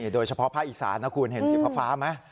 โดยเฉพาะภาคอีสานนะคุณเห็นสีฟ้าไหม